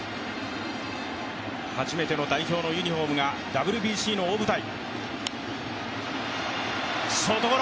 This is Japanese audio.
初めての代表のユニフォームがＷＢＣの大舞台。